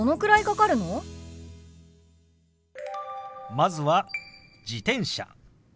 まずは「自転車」。